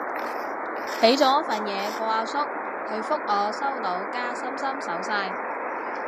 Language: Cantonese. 畀咗份嘢個阿叔，佢覆我收到加心心手勢